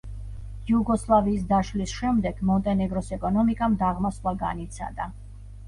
იუგოსლავიის დაშლის შემდეგ მონტენეგროს ეკონომიკამ დაღმასვლა განიცადა.